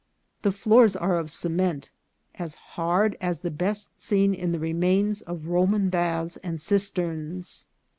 The floors are of cement, as hard as the best seen in the remains of Roman baths and cisterns.